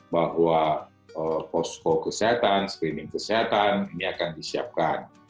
bahwa posko kesehatan screening kesehatan ini akan disiapkan